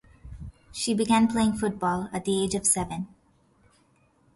She began playing football at the age of seven.